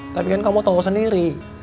tapi kan kamu tahu sendiri